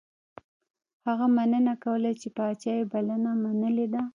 هغه مننه کوله چې پاچا یې بلنه منلې ده.